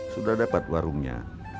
sudah dapat warungnya